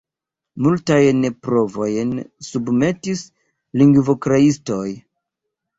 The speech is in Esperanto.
Multajn provojn submetis lingvokreistoj.